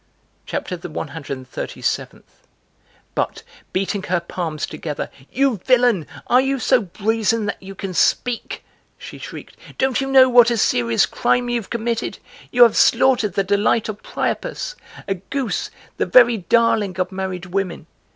CHAPTER THE ONE HUNDRED AND THIRTY SEVENTH. But, beating her palms together, "You villain, are you so brazen that you can speak?" she shrieked. "Don't you know what a serious crime you've committed? You have slaughtered the delight of Priapus, a goose, the very darling of married women!